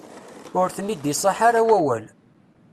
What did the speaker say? Ur ten-id-iṣaḥ ara wawal.